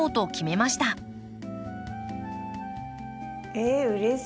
ええうれしい！